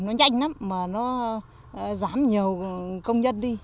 nó nhanh lắm mà nó dám nhiều công nhân đi